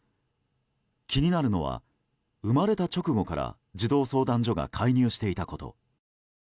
気になるのは、生まれた直後から児童相談所が介入していたこと。